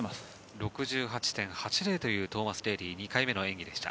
６８．８０というトーマス・デーリー２回目の演技でした。